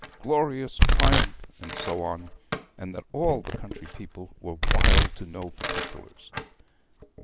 'Glorious Triumph!' and so on; and that all the country people were wild to know particulars.